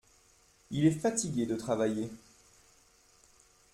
Il est fatigué de travailler.